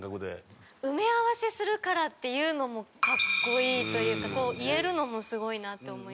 「埋め合わせするから」って言うのも格好いいというかそう言えるのもすごいなって思いますし。